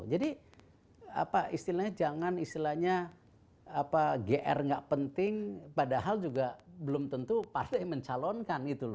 jadi apa istilahnya jangan istilahnya gr gak penting padahal juga belum tentu partai mencalonkan gitu lho